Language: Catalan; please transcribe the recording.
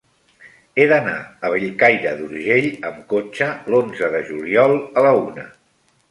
He d'anar a Bellcaire d'Urgell amb cotxe l'onze de juliol a la una.